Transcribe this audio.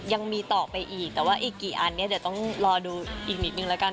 ยังมีต่อไปอีกแต่ว่าอีกกี่อันเนี่ยเดี๋ยวต้องรอดูอีกนิดนึงแล้วกัน